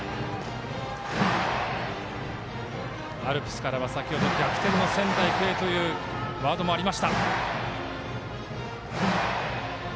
アルプスからは先ほど逆転の仙台育英というワードもありました。